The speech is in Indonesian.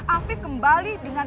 afiq kembali dengan